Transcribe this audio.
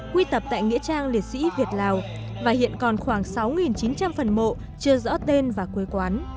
quy tập tại nghĩa trang liệt sĩ việt lào và hiện còn khoảng sáu chín trăm linh phần mộ chưa rõ tên và quê quán